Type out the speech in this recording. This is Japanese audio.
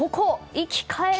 生き返れ！